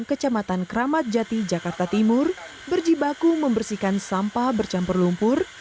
kecamatan keramat jati jakarta timur berjibaku membersihkan sampah bercampur lumpur